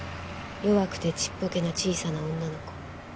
「弱くてちっぽけな小さな女の子」